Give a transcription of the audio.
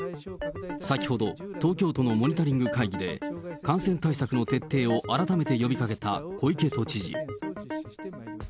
先ほど、東京都のモニタリング会議で、感染対策の徹底を改めて呼びかけた小池都知事。